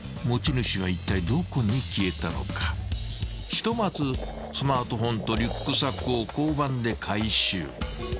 ［ひとまずスマートフォンとリュックサックを交番で回収］